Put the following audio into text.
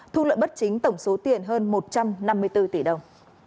thu lợi bất chính tổng số tiền hơn một trăm năm mươi bốn tỷ đồng